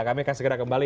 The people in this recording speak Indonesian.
kami akan segera kembali